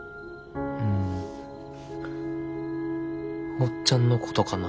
うん。おっちゃんのことかな。